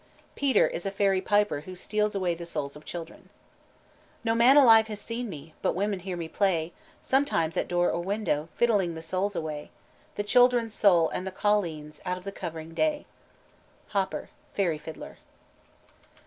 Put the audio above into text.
Peter is a fairy piper who steals away the souls of children. "No man alive has seen me, But women hear me play, Sometimes at door or window, Fiddling the souls away The child's soul and the colleen's Out of the covering clay." HOPPER: _Fairy Fiddler.